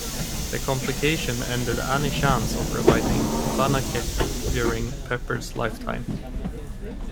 The complication ended any chance of reviving "Banacek" during Peppard's lifetime.